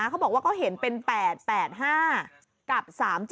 เขาบอกว่าเขาเห็นเป็น๘๘๕กับ๓๗